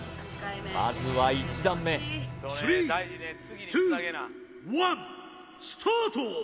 まずは１段目スタート